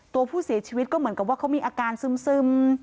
ตัวผู้เสียชีวิตก็เหมือนกับว่าเขามีอาการซึม